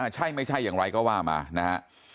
ใช่ไม่ใช่อย่างไรก็ว่ามานะฮะ